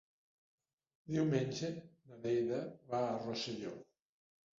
Diumenge na Neida va a Rosselló.